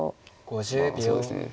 まあそうですね。